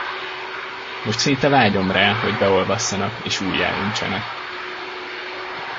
Most szinte vágyom rá, hogy beolvasszanak és újjáöntsenek.